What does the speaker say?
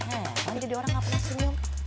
eh pamit dari orang gak pernah senyum